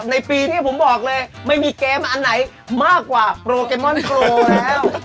ในปีนี้ผมบอกเลยไม่มีเกมอันไหนมากกว่าโปรแกมอนโทรแล้ว